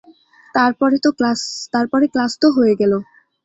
তার পরে ক্লাস তো হয়ে গেল।